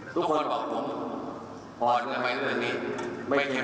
ทุกคนบอกผมอ่อนเงินไว้เงินนี้ไม่เคยอ่อนไม่จริงจักร